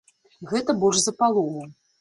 Гэта больш за палову.